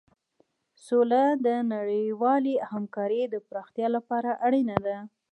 سوله د نړیوالې همکارۍ د پراختیا لپاره اړینه ده.